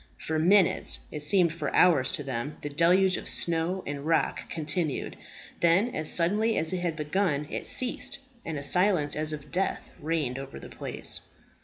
For minutes it seemed for hours to them the deluge of snow and rock continued. Then, as suddenly as it had begun, it ceased, and a silence as of death reigned over the place.